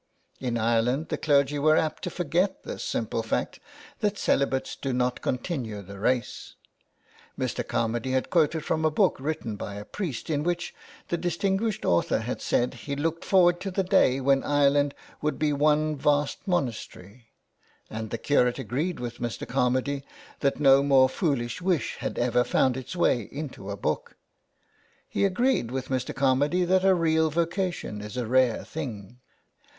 In Ireland the clergy were apt to forget this simple fact that celi bates do not continue the race. Mr. Carmady had quoted from a book written by a priest in which the distinguished author had said he looked forward to the day when Ireland would be one vast monastery, and the curate agreed with Mr. Carmady that no more foolish wish had ever found its way into a book. He agreed with Mr. Carmady that a real vocation is a rare thing.